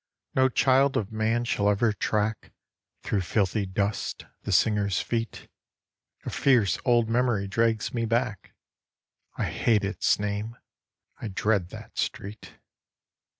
No child of man shall ever track, Through filthy dust, the singer's feet A fierce old memory drags me back; I hate its name I dread that street.